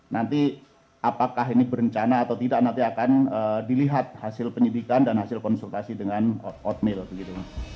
nanti apakah ini berencana atau tidak nanti akan dilihat hasil penyidikan dan hasil konsultasi dengan oatmeal begitu mas